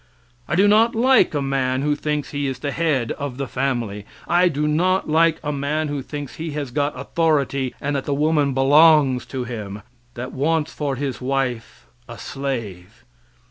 I do not like a man who thinks he is the head of the family. I do not like a man who thinks he has got authority and that the woman belongs to him that wants for his wife a slave.